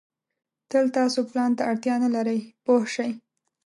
تل تاسو پلان ته اړتیا نه لرئ پوه شوې!.